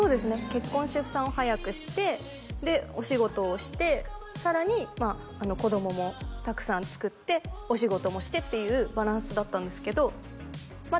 結婚出産を早くしてでお仕事をしてさらに子供もたくさんつくってお仕事もしてっていうバランスだったんですけどま